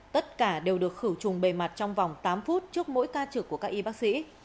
tất cả đều được khử trùng bề mặt trong vòng tám phút trước mỗi ca trực của các y bác sĩ